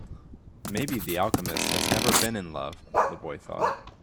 Maybe the alchemist has never been in love, the boy thought.